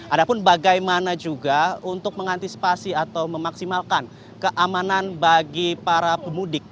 ada pun bagaimana juga untuk mengantisipasi atau memaksimalkan keamanan bagi para pemudik